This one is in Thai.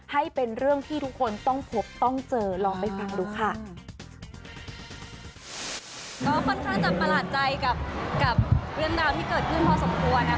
ก็ค่อนข้างจะประหลาดใจกับเรื่องราวที่เกิดขึ้นพอสมควรนะคะ